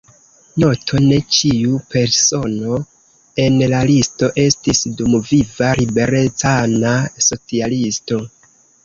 Noto: ne ĉiu persono en la listo estis dumviva liberecana socialisto.